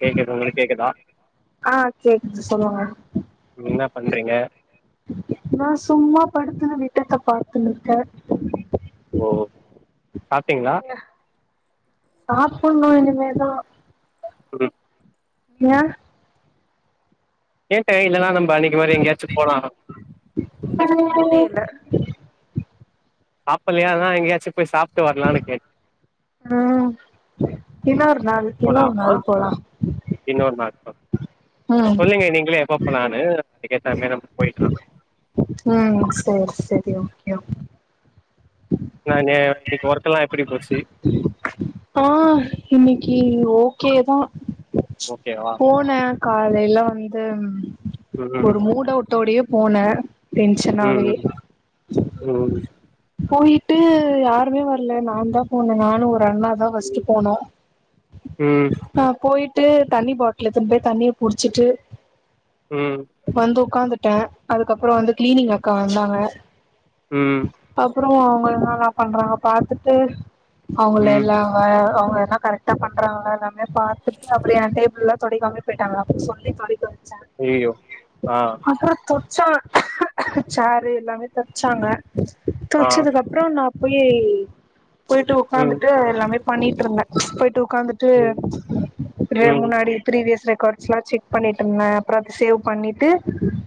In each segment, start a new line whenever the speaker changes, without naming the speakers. கேக்குது உங்ளுக் கேக்குதா
ஆ கேக்குது சொல்லுங்க
நீங்க என்ன பண்றீங்க
நா சும்மா படுத்து [unintelligible] விட்டத்த பாத்துன்ற்க
ஓ சாப்டிங்ளா
புன்னு இனிமேதா
ம்
ஏன்
கேட்டே இல்லனா நம் ப அன்னிக்கி மாரி எங்யாச்சு போலா
புரியல
சாப்பலையானா எங்யாச்சு போய் சாப்
ம் இன்னொரு நாள் இன்னொரு நாள் போலா
ஆ
ம்
சொல்லுங்க நீங்களே எப்ப போலான்னு அதுக்கு ஏத்தா மேர் நம்ம போய்க்லா
ம் சேரி சேரி ஓகே ஓ
நானே இன்னிக்கி ஒர்க்கெல்லா எப்பிடி போச்சி
ஓ கேதா போன காலேல வந்து
ம்
ஒரு மூடவுட்டோடையே போனே டென்ஷனாவே
ம் ம்
போயிட்டு யாருமே வர்ல நாந்தா போனே நானும் ஒர் ஃப்ரண்டாதா ஃபஸ்டு போனோ
ம்
ஆ போய்ட் டு தண்ணி பாட்டில் எடுத்துன் போய் தண்ணிய புடிச்சிட்டு
உம்
க்காந்துட்ட அதுக்கப்பற வந்து கிளீனிங் அக்கா வந்தாங்க
உம்
அப்றோ அவங்க என்னல்லா பண்றாங்க பாத்துட்டு அவுங்கள்ல
ம்
எல்லா அவ்ங்க எல்லா கரெக்டா பண்றாங்களா எல்லாமே பாத்திட்டு அப்டியே யான் டேபுள்ள தொடைக்காம்லே பெயிட்டாங்க அப்ற சொல்லி தொடைக்க வச்சே
ஐய்யயோ ஆ
ச்சா ச்சேரு எல்லாமே தொடச்சாங்க
ஆ
தொடச்சதுக்கு அப்றம் நா போயி போயிட்டு
ம்
உட்காந்துட்டு எல்லாமே பண்ணிட்டு இருந்த போயிட் உக்காந்துட்டு
ம்
அப்டியே
ம்
முன்னாடி பீரிவியஸ் ரெக்கார்ட் ஸ்லாம் செக் பண்ணிட்டு இருந்தே அப்பறம் அத சேவ் பண்ணிட்டு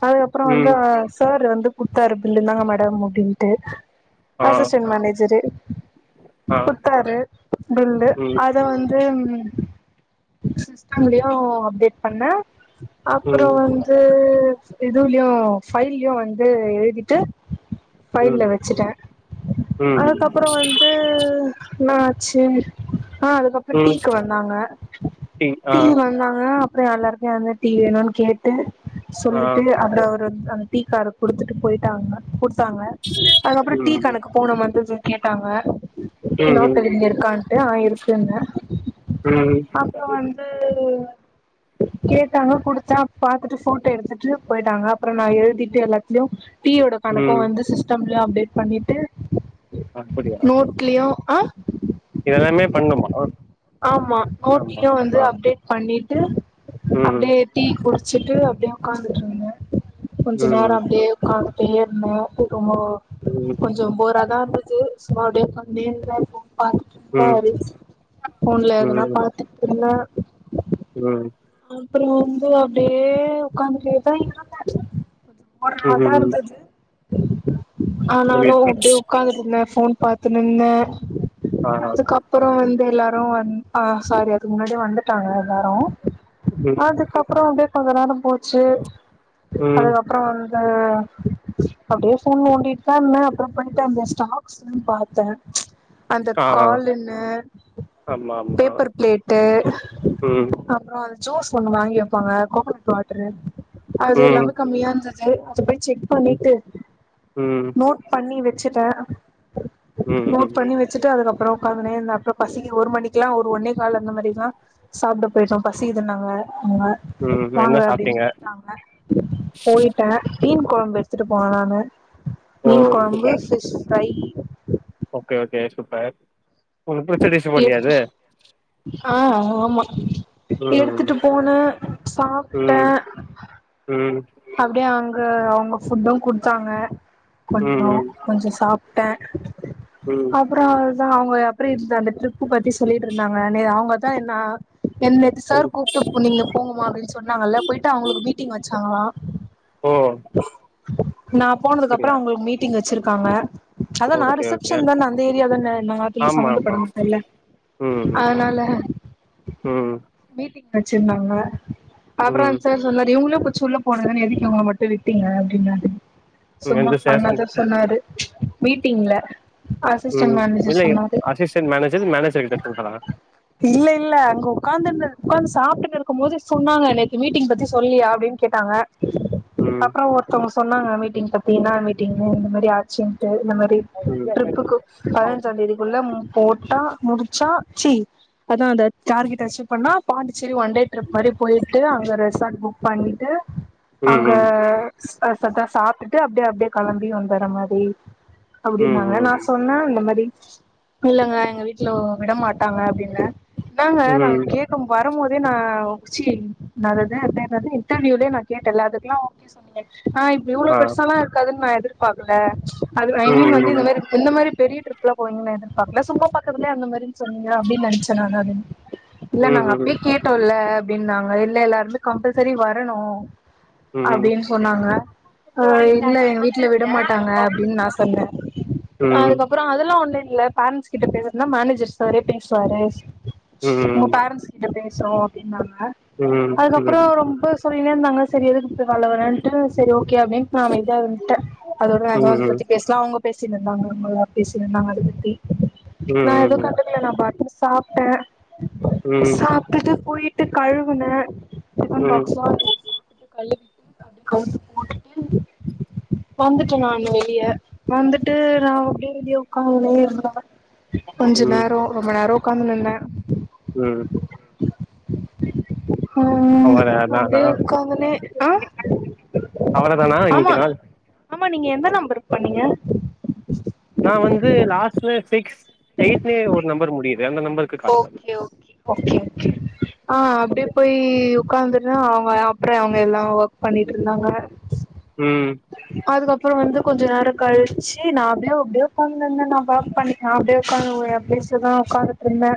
அதுக்கப்பற வந்து
ம்
சார் வந்து குடுத்தாரு பில்லு இருந்தாங்க மேட த்த முடி ட்டு
ஆ
அசிஸ்டன்ட் மேனேஜரு
ஆ
குடுத்தாரு பில்லு
ம்
அது வந்து சிஸ்டங்களையு அப்டேட் பண்ண அப்பறம்
ம்
வந்து எதுலயு ஃபைலயும் வந்து எழுதிட்டு ஃபைல்ல
ம்
வச்சுட்டே
ம்
அதுக்கப்பறம் வந்து என்ன ஆச்சு ஆஹ் அதுக்கப்பறம்
ம்
டீக்கு வந்தாங்க
ம் ஆ
டீ வந்தாங்க அப்பறம் எல்லாருக்குமே வந்து டீ வேணும்னு கேட்டு
ஆ
சொல்லிட்டு அந்த ஒரு அந்த டீக்காரு குடுத்துட்டு போயிட்டாங்க குடுத்தாங்க அதுக்கப்றோ டீ
ம்
கணக்கு கோன மறந்தது கேட்டாங்க குட்டி
ம் ம்
நோட்டு இருக்கான்ட்டு ஆ இருக்குன்ன
ம்
அப்பறோ வந்து கேட்டாங்க குடுத்த பாத்துட்டு போட்டோ எடுத்துட்டு போயிட்டாங்க அப்பறோ நா எழுதிட்டு எல்லாத்துலியும் டீயோட கணக்கு
ம்
வந்து சி அப்டேட் பண்ணிட்டு
அப்படியா ம்
நோட்லயு ஆ
இதெல்லாமே பண்ணுமா
ஆமா
ஆமா
நோட்லயு வந்து
ஆ
அப்டேட் பண்ணிட்டு
ம்
அப்டியே டீ குடுச் சிட்டு அப்டியே உக்காந்துட்ருந்த கொஞ்ச நேரோ
ம்
அப்டியே உக்கா பேர் நோட்டு போ
ம்
கொஞ்சோ போரா தான் இருந்துச்சு சும்மா அப்டியே உக்காந்தே இருந்த இப்போ பாத்துட்ருந்த
ம்
ரீல்ஸ் ஃபோன்ல எதுனா
ம்
பாத்துட்ருந்த
ம்
அப்பறோ வந்து அப்டியே உக்காந்துட்டேதா இருந்த ஒருநாள்
ம்
இருந்தது ஆனாலு
புரியுது
அப்டியே உக்காந்துட்ருந்தே போன் பாத்துனுருந்தே
ஆ
அதுக்கப்பறோ வந் எல்லாரு வந் ஆ சாரி அது முன்னடி வந்துட்டாங்க எல்லாரு
ம்
அதுக்கப்பறோ அப்டே [unintelligible] போச்சு
ம்
அதுக்கப்பறோ ஆ அப்டியே ஃபோன் நோண்டிட்டு தா இருந்தே அப்பறோ பண்ணிட்டு அந்த ஸ்டாக்ஸ் வந்து பாத்தே அந்த
ஆ
காலுன்னு
ஆமா ஆமா
பேப்பர் பிளேட்டு
ம்
அப்றோ ஜூஸ் ஒன்னு வாங்கி வப்பாங்க கோக்கனட் வாட்ரு அது
ம்
இல்லாம கம்மியா இருந்தது போய் செக்
ம்
பண்ணிட்டு நோட் பண்ணி வெ ச்சுட்டே
ம்
நோட்
ம்
பண்ணி வெச்சுட்டு அதுக்கப் பறோ உக்காந்னேருந்த அப்றோ பசிக்கி ஒரு மணிக்கெல்லா ஒரு ஒன்னே கால் அந்த மாதிரில்லா சாப்ட போய்டோ பசிகுதுனாங்க அவுங்க
ம்
வாங்க
என்ன
அப்டினு [inaudible]
சாப்ட்டீங்க
கூப்டாங்க போயிட்டே மீன் கொழம்பு எடுத்துட்டு போலான்னு
ஓ
மீன் கொழம்பு
super
fish fry
okay okay super உங்ளு பிடிச்ச டிஸ்சு போல்யே அது
ஆஹ் அ ஆமா
ம்
எடுத்துட்டு போனே சாப்ட்டே
ம் ம் ம்
அப்டியே அங்க அவுங்க ஃபுட்டு குடுத்தாங்க கொஞ்சோ
ம்
கொஞ்சோ சாப்ட்டே
ம்
அப்பறோ தா அவுங்கயப் ப்ரீத் அந்த ட்ரிப்பு பத்தி சொல்லிட்டுருந் தாங்க நே அவுங்கதா என்ன என் நேத்து
ம்.
சார் கூப்ட்டு போனீங்களே போங்கமா அப்டின் சொன்னாங்கல்ல போய்ட்டு அவுங்களுக்கு மீட்டிங் வெச்சாங்களா
ம்
நா போனதுகப்றோ அவுங்ளுகு மீட்டிங் வெச்சுரு காங்க அதா நா
ஓகே ஓகே
ரிசப்ஷன் தான அந்த ஏரியா தான நா அதுல
ஆமா
சம்மந்தபட
ஆமா
மாட்டேல்ல
ம் ம்
அதனால
ம்
மீட்டிங் வெச்சிருந்தாங்க அப்றோ
ம்
அந் சார் சொன்னாரு இவுங்ளு கு சொல்லங் போனுதானே எதுக் இவங்கள மட்டு விட்டீங்க அப்டின்னாரு
ம்
சும்மா
எந்த சேஷன்
பண்ணாதா சொன்னாரு மீட்டிங்ல அசிஸ்டன்
ம் இல்ல
மேனேஜர் சொன்னாரு
அசிஸ்டன்ட் மேனேஜர் மேனேஜர் கிட்ட சொல்றா
இல்ல இல்ல அங்க உக்காந்துருந்த உக்காந்து சாப்ட்டுட் இருக்கும்போது சொன்னாங்க நேத்து மீட்டிங் பத்தி சொல்லியா அப்டின் கே கேட்டாங்க
ம்
அப்றோ ஒருத்தவங்க சொன்னாங்க மீட்டிங் பத்தீனா மீட்டிங்னு இந்த மாரி ஆச்சுன்ட்டு இந்த மாரி
ம்
ட்ரிப்புக்கு பதினஞ்சா தேதிகுள்ள ம் போட்டா முடுச்சா சி அதா அந்த டார்கெட் அச்சீவ் பண்ணா Pondicherry one day trip மாரி போய்ட்டு அங்க ரெஸ் தாட் புக் பண்ணி து
ம்
அங்க
ம்
ஸ் அ சத்தா சாப்டுட்டு அப்டே அப்டே களம்பி வந்துர மாரி
ம்
அப்புடின்னாங்க நா
ம்
சொன்ன இந்த மாரி இல்லங்க எங்க வீட்ல ஊ விட மாட்டாங்க அப்டின்ன தாங்க நாங்க
ம்
கேக்கம் வரமோ ல் பேர் நா ஓ ச்சி நாது அது அத் பேர் நாது இன்டர்வியூலே நா கேட்டல அதுக்லா ஓகே சொன்னீங்க ஆ இப்ப இவுளோ
ஆ
பெருசாலா இருகாதுன் நா எதிர் பாக்குல அது ஐ
ம்
மீன் வந்து இந்த
ம்
மாரி இந்த மாரி பெரிய டிர்ப் இப்பிடில்லா போவீங்கன்னு நா எதிர்பாக்ல சும்மா பக்கத்திலே இருந்த மாரி சொன்னீங்க அப்பிடினு நனச்ச நானு அது இல்ல
ம் ம் ம்
நாங்க
ம்
அப்பேயே கேட்டோல்ல ப்பிடினாங்க இல்ல இல்ல அதுல கம்பல்சரி வர வரணும்
ம் ம் ம் ம் ம்
அப்பிடின்னு சொன்னாங்க அ இல்ல என் வீட்ல விட மாட்டாங்க அப்பிடின்னு நான் சொன்னேன் அதுக்கப்பறம் அதெல்லாம் ஒன்னில்ல இல்ல பேரன்ட்ஸ் கிட்ட பேசறுதுனா மேனேஜர் சாரே பேசுவாரு உங்க பேரன்ஸ் கிட்ட பேசு சோ அப்பிடினாங்க அ அதுக்கப்பறம் ரொம்ப இருந்தாங்க சரி எதுக்கு கூப்பிடுராங்க நா வரேன்னுட்டு சேரி ஓகே ஓகே அப்பிடின்னு நான் அமைதியாவிட்டேன் அதோட அதும் அத பத்தி பேசலாம் அவுங்க பேச சின்னவங்க அவுங்கல்லாம் பேசின்னு இருந்தாங்க அத பத்தி நான் எதும் கண்டுக்கல நான் பாத் சாப்டேன் சாப்பிட்டுட்டு போய் விட்டு கழுவுன
ம்
சாரி [unintelligible] அக்கவுண்ட் போட்டுட்டு வந்துட்டேன் நான் வெளிய வந்துட்டு வந்துத்து நா அப்பிடியே வெளியோ காலையிலே எழுந்துத்தாங்க
ம் ம்
கொஞ்ச நேர ரொம்ப நேர உக்காந்துன்யிருந்தே [unintelligible]
உம்
ஹா
அவர தானா
அப்டியே உக்கந்தன்னே அன்
அவர தானா
ஆமா
இன்னைக்கு நாள்
ஆமா நீங்க எந்த நம்பருக்கு பண்ணீங்க
நா வந்து லாஸ்ட்ல சிக் எயிட் நைன் ஒரு நம்பர் முடியிது அந்த number
okay okay okay okay ஆஹ் அப்படிய
ஓகே
போய் உக்கந் வந்த அவங்க அப்புற அவங்க எல்லா ஒர்க் பண்ணிட்டு இருந்தாங்க
உம்
அப்பற வந்து கொஞ்ச நேர கழிச்ச நா அப்டியே அப்டியே உக்கந்துயிருந்தே நா ஓர்க் பண்ணி நா அப்டியே உக்கரந்து அப்டியே என் பிளேஸ்ல உக்க என்ன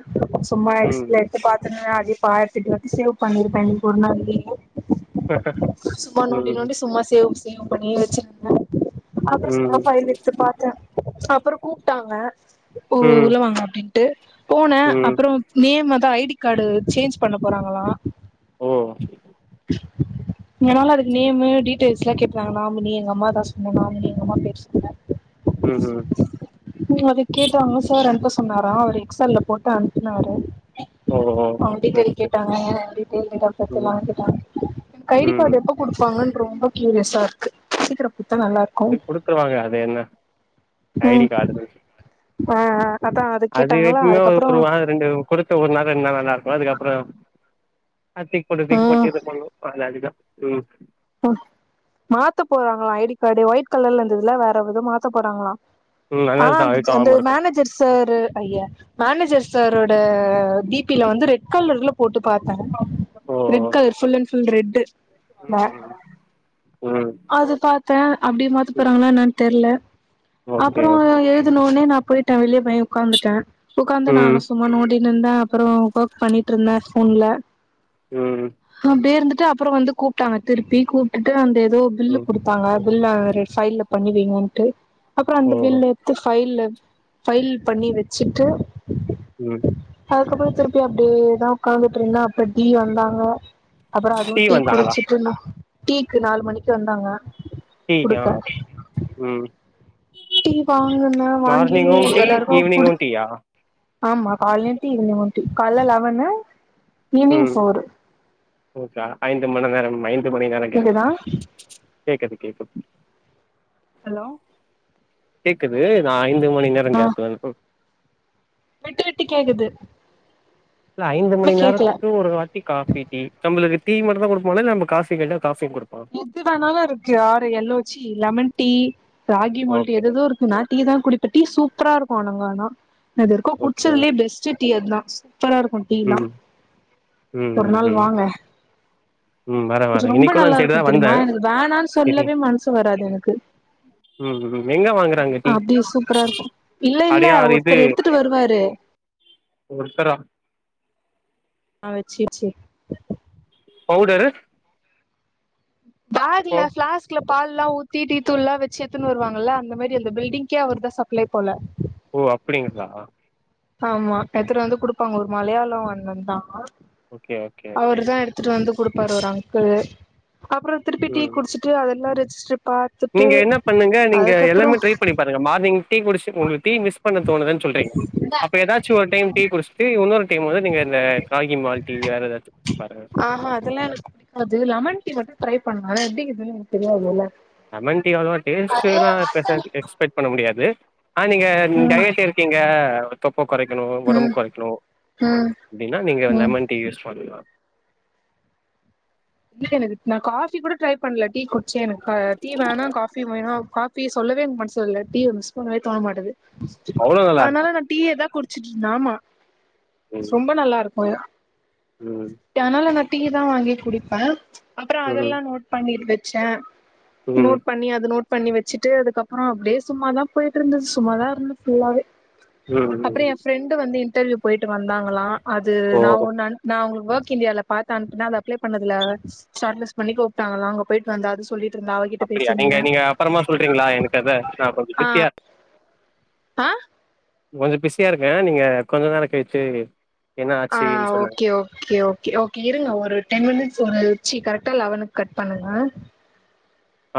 சும்மா
ம்
எக்ஸ்ல எத்து பாத்து [unintelligible] பத்துட்டு வந்து சேவ் பண்ணிருப்பே இன்னைக்கு ஒரு நாளைக்கு சும்மா நோன்டி
ம்
நோன்டி சும்மா சேவ் சேவ் பண்ணி வச்சிருந்த அப்பற ச
ம்
பைல் எடுத்து பாத்தே அப்பற கூப்ட்டாங்க ஓ
ம்
உள்ள வாங்க அப்டின் எட்டு போனே
ம்
அப்பற நேம் அதா ஐ டி கார்டு சேஞ்ச் பண்ண போறாங்களா
ஓ
அதனால அதுக்கு நேம் டீட்டியல்ஸ்லா கேட்டாருந்தாங்க நாமினி எங்க அம்மாதா சொன்னே நாமினி எங்க அம்மா பேர் சொன்னே
ம் ம்
உம் அது கேட்டாங்க சார் அனுப்ப சொன்னாரா அவரு பார்சல்ல போட்டு அனுப்புனாரு
ஓ ஓ
அவங்
சரி
டீடெயில்
சரி
கேட்டாங்க என்னோட டீடெயில்ஸ் டேட் ஆப் பர்த்
ம்
எல்லாமே கேட்டாங்க எனக்கு ஐ டி
ம்
கார்டு எப்ப குடுப்பாங்க ரொம்ப கியூரியஸ்ஸா இருக்கு சிக்கிர
குடுத்துருவாங்க அது என்ன ஐ டி கார்டு தானே
ஆஹ் ஆஹ் அதா அதுக்கே
அது எப்பயுமே ஒரு வார ரெண்டு குடுத்து ஒரு நாள் ரெண்டு நாள் நல்லாருக்கு [unintelligible] அதுக்கப்றோ அ துக் போட்டு
ஆ
துக் போட்டு இத பண்ணும் அது அதிக உம்
ம் மாத்த போறாங்களா ஐ டி கார்டு ஒயிட் கலர்ல இருந்ததுல வேற எதோ மாத்த போறாங்களாம்
ம்
ஆஹ்
அதனாலதா
அந்த
அது
அந்த
காம இருக்கு
மேனேஜர் சார் அய்யா மேனேஜர் சாரோட டி பில வந்து ரெட் கலர்ல போட்டு பார்த்தன் red colour full and full full red
உம் உம்
அது பார்த்தன் அப்படி மாத்த
ம்
போறாங்களா என்னன்னு தெர்ல
ஓகே
அப்பறம்
ஓகே
எழுதனவுனே ந போய்ட்டேன் வெளிய போய் உட்காந்துட்டேன் உக்காந்து
ம்
நானு சும்மா நோண்டி ந்தா அப்பறம் ஒர்க் பண்ணிட்டு இருந்தேன் போன்ல
உம்
அப்பறம் வந்து கூப்பிட்டாங்க திருப்பி கூப்புட்டுட்டு அந்த இது ஒ பில்லு
ம்
கொடுப்பாங்க எல்லா ஃபைல்ல பண்ணி வைங்கோண்ட்டு அப்புற
ஓ
அந்த பில்ல எத்து பைல்ல பைல் பண்ணி வச்சுட்டு
உம்
அதுக்கப்புற திருப்பி அப்டியேதா உட்காந்துட்டு இருந்தா அப்புற தீ வந்தாங்க அப்புற அதுவு டீ குடிச்சிட்டுன்னு டீக்கு நாலு மணிக்கு வந்தாங்க
டீகா
குடுக்க
உம்
டீ வாங்கன வாங்கி
டீ
எல்லாருக்கு
ஈவினிங்கும்
குடுத்
டீயா
ஆமா காலயு டீ ஈவினிங் டீ கால்ல இலெவனு
உம் ஓகே ஐந்து மனநெறம் ஐந்து மணிநேரங்க
கேக்குதா
கேக்குது கேக்குது
ஹலோ
கேக்குது நா ஐந்து ம நேர
ஆ
கேப்
விட்டு விட்டு கேக்குது
இல்ல ஐந்து மணி
ஒண்ணுமே கேக்கல
நேரத்துக்கு ஒரு வாட்டி காபி டீ நம்மளுக்கு டீ மட்டுதா குடுப்பாங்கள நம்ம காபி கேட்ட
எது வேணாலு இருக்கு ஆறு எல்லோச்சி lemon tea ragi malt
okay
எதேதோ இருக்கு நா டீ தா குடிப்ப சூப் சூப்பரா இருக்கு அங்க ஆனா இதுவரைக்கு
ஓகே ஓகே
குடிச்சதுலயே பெஸ்ட் டீ அத சூப்பரா இருக்கு டீல
ம் ம்
ஒரு
ம்
நாள்
ம்
வாங்க
ம் வரே வரே
ரொம்ப
இன்னைக்கூட அந்த சைடு
நல்லாருக்கு
தா வந்தே
தெரியுமா எனக்கு வேணானு
செரி
சொல்லவே மனசு வராது எனக்கு
ம் ம் எங்க வாங்குறாங்க டீ
அப்டி சூப்பரா இருக்கு இல்ல இல்ல
அடையார் இது
ஒருத்தர் எடுத்துட்டு வருவாரு
ஒருத்தரா
ஆ வச்சு வச்சு
பவுடரு ஓ
பேக்ல பிளாஸ்க்ல பால்லா ஊத்தி டீ தூள்லா வச்சு எடுதுன்னு வருவாங்கள அந்த மாரி அந்த பில்டிங்க்கே அவர்தா சப்ளை போல
ஓ அப்படிங்களா
ஆமா எடுத்துட்டு வந்து குடுப்பாங்க ஒரு மலையாளோ அண்ணண் தா
ஓகே ஓகே
அவரு தா எடுத்துட்டு வந்து கொடுப்பார் ஒரு அங்கிள் அப்புற திருப்பி டீ
ம்
குடிச்சிட்டு அதெல்லாரு [unintelligible]
நீங்க என்ன பண்ணுங்க நீங்க எல்லாமே ட்ரை பண்ணி பாருங்க மார்னிங் டீ குடிச்சு உங்களுக்கு டீ மிஸ் பண்ண தோணுது சொல்றீங்க அப்ப ஏதாச்சும் ஒரு டைம் டீ குடிச்சுட்டு இன்னொரு கக்கும் போது நீங்க இந்த ராகி மால்ட்டி வேற எதாச்சு பாருங்க
ஆஹா அதெல்லா எனக்கு அது லெமன் டீ மட்டு ட்ரை பண்ண ஆனா எப்படி இருக்கு தெரியாதில்ல
லெமண்டி அவ்வளவா டேஸ்ட் எல்லாம் பெருசா எக்ஸ்பெக்ட் பண்ண முடியாது ஆ நீங்க
ம்
டையட் இருக்கீங்க உப்ப குறைக்கணும் உடம்பு
ம்
குறைக்கணும்
ம்
அப்படின்னா நீங்க
ம்
லெமன் டீ யூஸ் பண்ணலாம்
இல்ல எனக்கு நான் காஃபி கூட ட்ரை பண்ணல டீ குடிச்சேன் எனக்கு டீ வேனா காபி வேணா காபி சொல்லவே எனக்கு மனசுல இல்லை டீ வந்து மிஸ் பண்ணவே தோண மாட்டேது
அவ்ளோ நல்லா இருக்கு
அதனால நான் டீ ஏதா குடுத்து ச் ஆமா
ம்
ரொம்ப நல்லா இருக்கும்
ம்
அதனால டீ தான் வாங்கி குடிப் ப அப்புறம்
ம்
அதெல்லாம் நோட் பண்ணிருது ச
ம்
நோட் பண்ணி அது நோட் பண்ணி வச்சுட்டு அதுக்கப்புறம் அப்படியேும்மாாதான் போயிட்டு இருந்தது சும்மாதான் இருந்தது ஃபுல்லாவே
ம்
அப்புறம்
ம்
என் ஃப்ரெண்டு வந்து ட்டர்வியு போயிட்டு வந்தாங்களாம் அது
ஓ
நா உன்ன அனு நா உங்ள் ஒர்க் இந்தியாவால பாத் அனுப்னா அது அப்ளை பண்ணத் ல ச்ட்லெஸ் பண்ணி கூப்பிட்டாங்களா அங்க போயிட்டு வந்த அது சொல்லிட்டு இருந்தா அவகிட்ட
அப்படியா நீங்க
பேசியிருந்தேன்
நீங்க அப்புறமா சொல்றீங்களா எனக்கு அதை நான் கொஞ்சம் பிஸியா இருக்
ஆ
கொஞ்சம் பிஸியா இருக்கேன் நீங்க கொஞ்ச நேரம் கயிச்சு
ஆஹ் ஓகே ஓகே ஓகே ஓகே இருங்க
ம்
ஒரு டென் மினிட்ஸ் ஒரு சி கரெக்டா லெவனுக்கு கட் பண்ணுங்க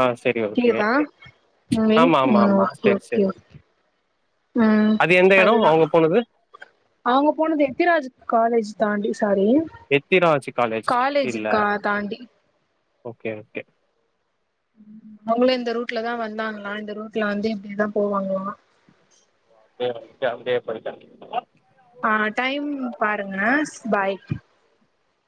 ஆ செரி ஓகே
[unintelligible] தா
ஆமா ஆமா
உ
ஆமா செரி செரி
உம்
அது எந்த எடோ
அதுதான்
அவுங்க போனது
அவங்க போனது எத்திராஜ் காலேஜ் தாண்டி சாரி
எத்திராஜ் காலேஜ் இல்ல
கா தாண்டி
கேகே
அவங்களும் இந்த ரூட்ல தான் வந்தாங்களாம் இந்த ரூட்ல வந்து இப்படியதான் போவாங்களாம்
வன்ட் அப்டியே போய்ட்ங்
ஆஹ் டைம் பாருங்கா பாய்